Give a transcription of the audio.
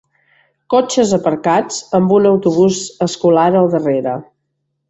Cotxes aparcats amb un autobús escolar al darrera.